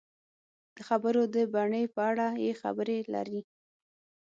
د خبرو د بڼې په اړه یې خبرې لري.